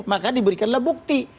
maka diberikanlah bukti